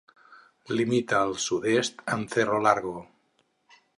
Limita al sud-est amb Cerro Largo.